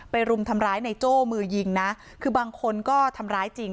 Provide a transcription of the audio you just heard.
รุมทำร้ายในโจ้มือยิงนะคือบางคนก็ทำร้ายจริง